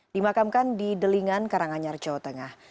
dimakamkan di delingan karanganyar jawa tengah